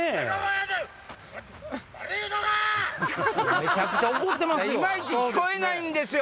めちゃくちゃ怒ってますよ。